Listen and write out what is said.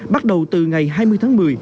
bắt đầu từ ngày hai mươi tháng một mươi